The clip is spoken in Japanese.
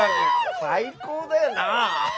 最高だよな。